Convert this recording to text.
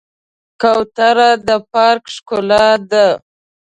کوتره د پارک ښکلا ده.